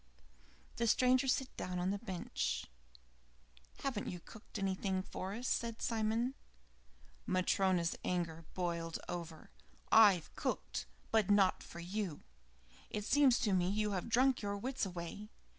The stranger sat down on the bench. "Haven't you cooked anything for us?" said Simon. Matryona's anger boiled over. "I've cooked, but not for you. It seems to me you have drunk your wits away.